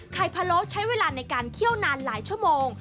พะโล้ใช้เวลาในการเคี่ยวนานหลายชั่วโมง